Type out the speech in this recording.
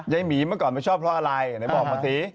หมีเมื่อก่อนไม่ชอบเพราะอะไรไหนบอกมาสิ